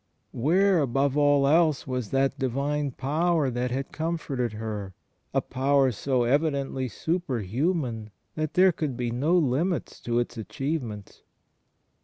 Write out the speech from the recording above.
Where, above all else, was that Divine Power that had comforted her, a power so evi dently superhuman that there could be no limits to its achievements?